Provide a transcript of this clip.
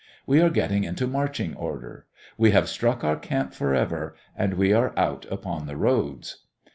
We are getting into marching order. We have struck our camp forever and we are out upon the roads.